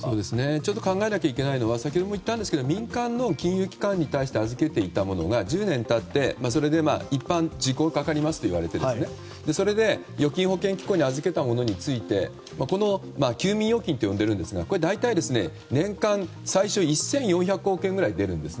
ちょっと考えなきゃいけないのは先ほども言ったんですけど民間の金融機関に預けていたものが１０年経ってそれで一般時効がかかりますといわれてそれで、預金保険機構に集めたものについてこれを休眠預金と呼んでいるんですがこれは大体、年間１４００億円ぐらい出るんです。